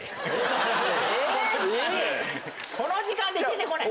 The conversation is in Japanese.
この時間で出てこない！